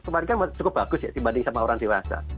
kemarin kan cukup bagus ya dibanding sama orang dewasa